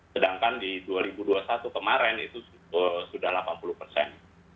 sedangkan di dua ribu dua puluh satu kemarin itu sudah delapan puluh persen